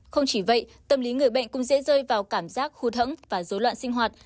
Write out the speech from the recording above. không chỉ vậy tâm lý người bệnh cũng dễ rơi vào cảm giác khô thẫn và dối loạn sinh hoạt